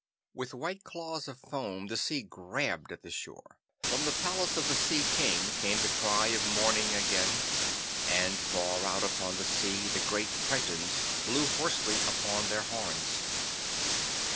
With white claws of foam the sea grabbled at the shore. From the palace of the Sea King came the cry of mourning again, and far out upon the sea the great Tritons blew hoarsely upon their horns.